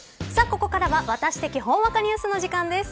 ここからワタシ的ほんわかニュースの時間です。